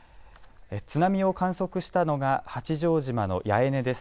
津波を観測したのが八丈島の八重根です。